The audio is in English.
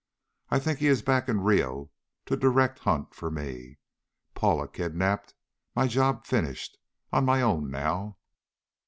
I think he is back in Rio to direct hunt for me. Paula kidnapped. My job finished. On my own now.